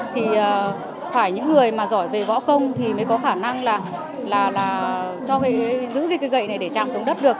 thì phải những người mà giỏi về võ công thì mới có khả năng là giữ cái cây gậy này để chạm xuống đất được